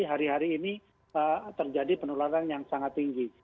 hari hari ini terjadi penularan yang sangat tinggi